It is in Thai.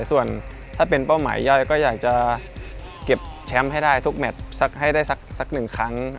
ส่วนถ้าเป็นเป้าหมายย่อยก็อยากจะเก็บแชมป์ให้ได้ทุกแมทให้ได้สักหนึ่งครั้ง